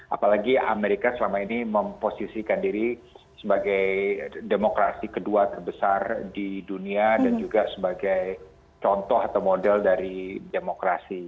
apalagi amerika selama ini memposisikan diri sebagai demokrasi kedua terbesar di dunia dan juga sebagai contoh atau model dari demokrasi